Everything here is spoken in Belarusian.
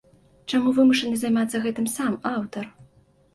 Чаму вымушаны займацца гэтым сам аўтар?